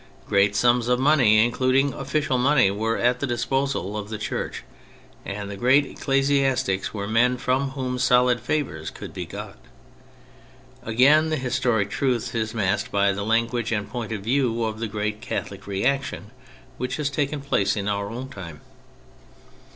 Great sums of money — including official money — were at the disposal of the Church ; and the great ecclesiastics were men from whom solid favours could be got. Again, the historic truth is masked by the language and point of view of the great Catholic reaction which has taken place in our own time.